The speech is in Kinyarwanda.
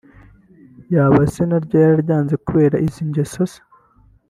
Yaba se naryo yararyanze kubera izi ngeso se